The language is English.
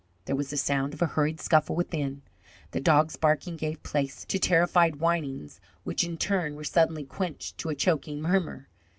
There was the sound of a hurried scuffle within. The dog's barking gave place to terrified whinings, which in turn were suddenly quenched to a choking murmur.